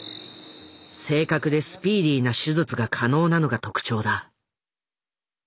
正確でスピーディーな手術が可能なのが特徴だ。